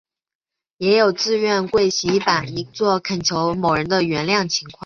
也有自愿跪洗衣板以作恳求某人原谅的情况。